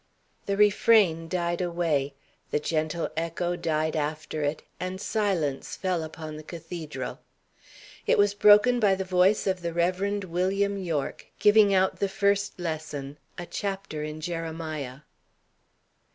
The refrain died away, the gentle echo died after it, and silence fell upon the cathedral. It was broken by the voice of the Reverend William Yorke, giving out the first lesson a chapter in Jeremiah.